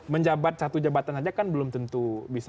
menjabat satu jabatan saja kan belum tentu bisa